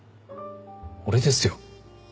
俺ですよ。